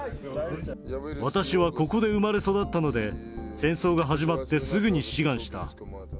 私はここで生まれ育ったので、戦争が始まってすぐに志願した。